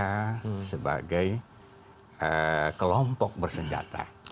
karena mereka akan menjadi sebuah kelompok bersenjata